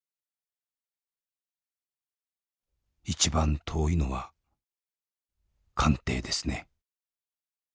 「一番遠いのは官邸ですね」。